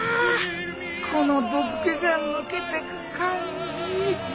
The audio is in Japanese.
この毒気が抜けてく感じ